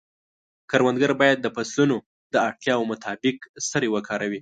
کروندګر باید د فصلونو د اړتیاوو مطابق سرې وکاروي.